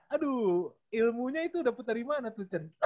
aduh ilmunya itu udah putar di mana tuh cen